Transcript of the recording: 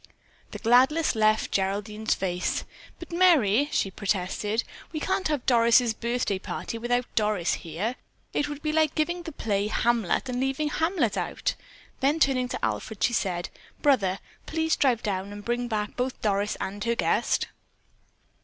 The gladness left Geraldine's face. "But, Merry," she protested, "we can't have Doris' birthday party without Doris here. It would be like giving the play 'Hamlet' and leaving Hamlet out." Then turning to Alfred she said, "Brother, please drive down and bring back both Doris and her guest."